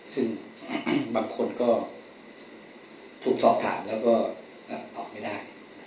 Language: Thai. ซึ่งบางคนก็ถูกสอบถามแล้วก็ตอบไม่ได้